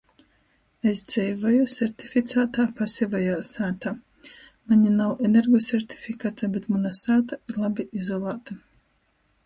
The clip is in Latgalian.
Es dzeivoju sertificātā pasivajā sātā. Maņ nav energosertifikata, bet muna sāta ir labi izolāta.